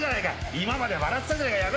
今まで笑ってたじゃないか。